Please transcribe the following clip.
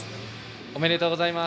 おめでとうございます。